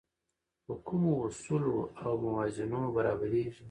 په کومو اصولو او موازینو برابرېږي.